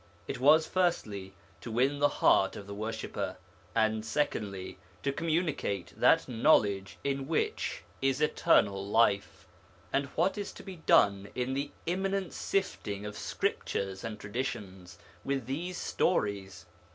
It was, firstly, to win the heart of the worshipper, and secondly, to communicate that knowledge in which is eternal life. And what is to be done, in the imminent sifting of Scriptures and Traditions, with these stories?